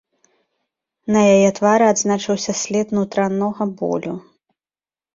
На яе твары адзначыўся след нутранога болю.